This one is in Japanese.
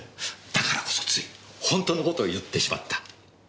だからこそついホントのことを言ってしまった。